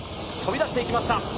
飛び出していきました。